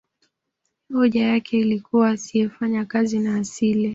hoja yake ilikuwa asiyefanya kazi na asile